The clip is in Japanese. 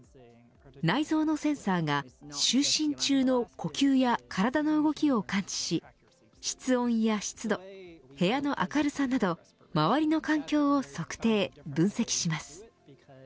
内蔵のセンサーが就寝中の呼吸や体の動きを感知し室温や湿度部屋の明るさなど周りの環境を測定、分析します。